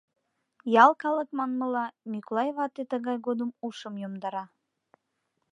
Ял калык манмыла, Мӱклай вате тыгай годым ушым йомдара.